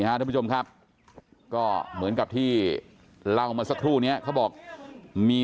ท่านผู้ชมครับก็เหมือนกับที่เล่ามาสักครู่นี้เขาบอกมี